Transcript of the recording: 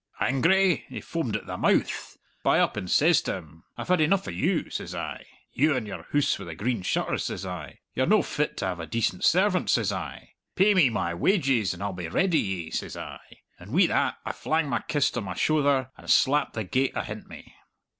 "Angry? He foamed at the mouth! But I up and says to him, 'I have had enough o' you,' says I, 'you and your Hoose wi' the Green Shutters,' says I. 'You're no fit to have a decent servant,' says I. 'Pay me my wages, and I'll be redd o' ye,' says I. And wi' that I flang my kist on my shouther and slapped the gate ahint me."